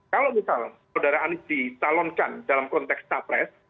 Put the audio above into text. kalau misal perdaraan ditalonkan dalam konteks tapres